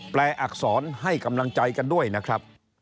แปลอักษรให้กำลังใจกันด้วยนะครับ